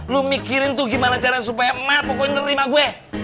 lo mikirin tuh gimana caranya supaya emak pokoknya terima gue